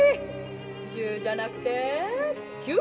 １０じゃなくて９！